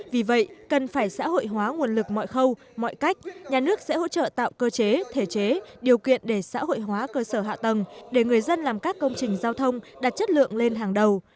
vì vậy cần phải xã hội hóa nguồn lực mọi khâu mọi cách nhà nước sẽ hỗ trợ tạo cơ chế thể chế điều kiện để xã hội hóa cơ sở hạ tầng để người dân làm các công trình giao thông đặt chất lượng lên hàng đầu